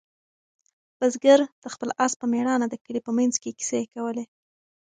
بزګر د خپل آس په مېړانه د کلي په منځ کې کیسې کولې.